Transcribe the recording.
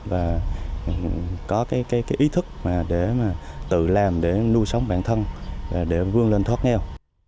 và có ý thức để tự làm để nuôi sống bản thân để vươn lên thoát nghèo